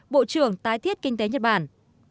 bộ trưởng tái thiết kinh tế nhật bản